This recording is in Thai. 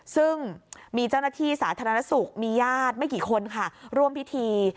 ซึ่งมีเจ้าหน้าที่สาธารณสุขมีญาติไม่กี่คนค่ะร่วมพิธี